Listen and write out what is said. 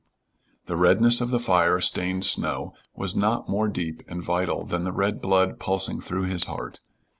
The redness of the fire stained snow was not more deep and vital than the red blood pulsing through his heart.